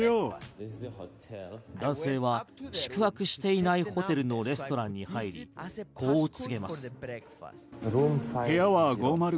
男性は宿泊していないホテルのレストランに入りこう告げます。